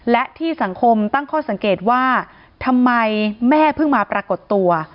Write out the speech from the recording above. และที่สังคมตั้งข้อสังเกตว่าทำไมแม่เพิ่งมาปรากฏตัว